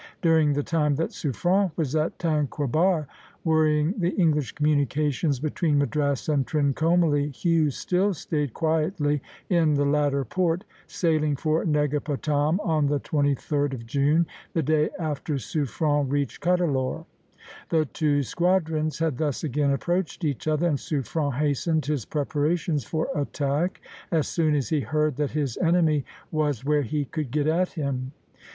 During the time that Suffren was at Tranquebar, worrying the English communications between Madras and Trincomalee, Hughes still stayed quietly in the latter port, sailing for Negapatam on the 23d of June, the day after Suffren reached Cuddalore. The two squadrons had thus again approached each other, and Suffren hastened his preparations for attack as soon as he heard that his enemy was where he could get at him.